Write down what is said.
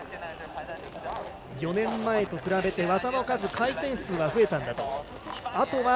４年前と比べて技の数、回転数は増えたんだと。